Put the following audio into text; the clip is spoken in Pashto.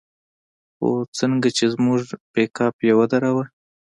خو څنگه چې زموږ پېکپ يې ودراوه.